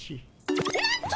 なんと！